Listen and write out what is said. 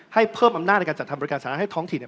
ให้เพิ่มอำนาจในการจัดทำบริการสามารถให้ท้องถิ่นเนี่ย